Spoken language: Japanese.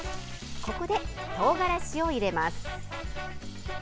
ここで、とうがらしを入れます。